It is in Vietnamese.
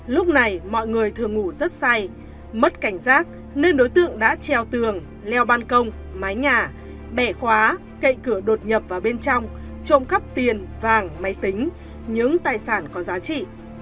lúc này mọi người thường ngủ rất say mất cảnh giác nên đối tượng đã treo tường leo ban công mái nhà bẻ khóa cậy cửa đột nhập vào bên trong trộm cắp tiền vàng máy tính những tài sản có giá trị